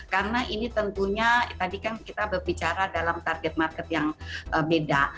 karena ini tentunya tadi kan kita berbicara dalam target market yang beda